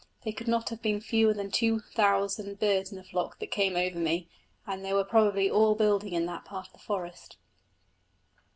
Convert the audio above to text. There could not have been fewer than two thousand birds in the flock that came over me, and they were probably all building in that part of the forest.